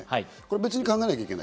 別に考えなきゃいけない。